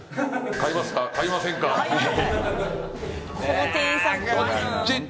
買いますか買いませんかえーっ